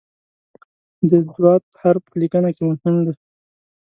د "ض" حرف په لیکنه کې مهم دی.